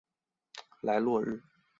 莱洛日。